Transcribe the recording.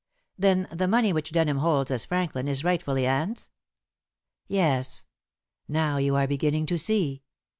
"Then the money which Denham holds as Franklin is rightfully Anne's?" "Yes. Now you are beginning to see.